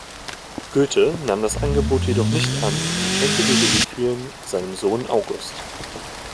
Goethe nahm das Angebot jedoch nicht an und schenkte die Reliquien seinem Sohn August.